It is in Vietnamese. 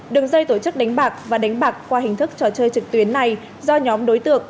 đường dây tổ chức đánh bạc và đánh bạc qua hình thức trò chơi trực tuyến này do nhóm đối tượng